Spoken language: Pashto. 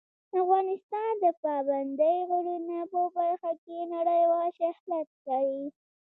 افغانستان د پابندی غرونه په برخه کې نړیوال شهرت لري.